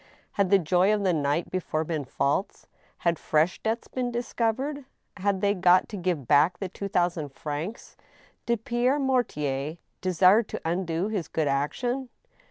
Had the joy of the night before been false ? Had fresh debts been discovered ? Had they got to give back the two thousand francs ? Did Pierre Mortier desire to undo his good action